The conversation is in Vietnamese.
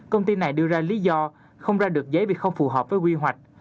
công ty này đưa ra lý do không ra được giấy vì không phù hợp với quy hoạch